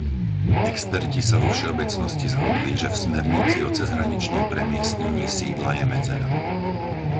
Experti sa vo všeobecnosti zhodli, že v smernici o cezhraničnom premiestnení sídla je medzera.